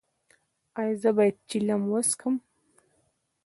ایا زه باید چلم وڅکوم؟